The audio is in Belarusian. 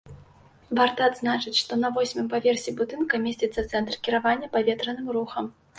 Варта адзначыць, што на восьмым паверсе будынка месціцца цэнтр кіравання паветраным рухам.